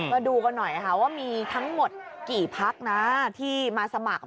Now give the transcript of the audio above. มาดูกันหน่อยค่ะว่ามีทั้งหมดกี่พักนะที่มาสมัคร